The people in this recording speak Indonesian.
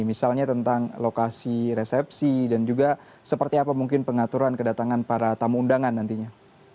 misalnya tentang lokasi resepsi dan juga seperti apa mungkin pengaturan kedatangan para tamu undangan nantinya